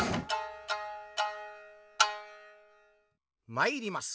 まいります。